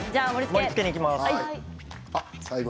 盛りつけにいきます。